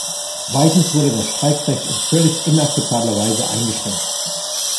Zweitens wurde das Streikrecht in völlig inakzeptabler Weise eingeschränkt.